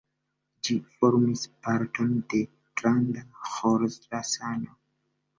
Ĝi formis parton de Granda Ĥorasano.